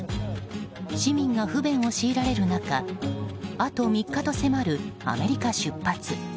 市民が不便を強いられる中あと３日と迫るアメリカ出発。